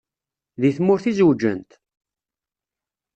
Deg tmurt i zewǧent?